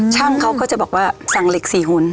ช่างเขาก็จะบอกว่าสั่งเหล็ก๔หุ่น